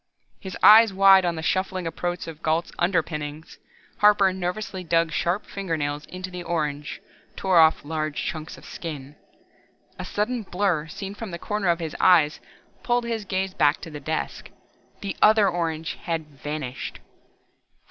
His eyes wide on the shuffling approach of Gault's underpinnings, Harper nervously dug sharp fingernails into the orange, tore off large chunks of skin. A sudden blur seen from the corner of his eyes pulled his gaze back to the desk. The other orange had vanished.